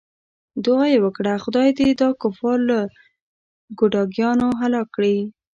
دعا یې وکړه خدای دې دا کفار له ګوډاګیانو هلاک کړي.